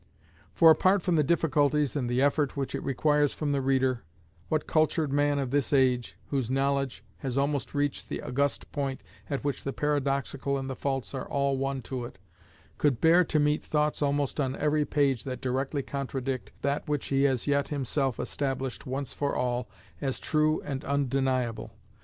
For apart from the difficulties and the effort which it requires from the reader, what cultured man of this age, whose knowledge has almost reached the august point at which the paradoxical and the false are all one to it, could bear to meet thoughts almost on every page that directly contradict that which he has yet himself established once for all as true and undeniable?